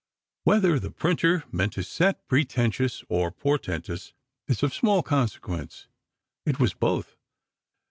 Whether the printer meant to set "pretentious" or "portentous," is of small consequence. It was both.